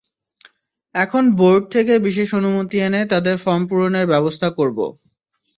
এখন বোর্ড থেকে বিশেষ অনুমতি এনে তাদের ফরম পূরণের ব্যবস্থা করব।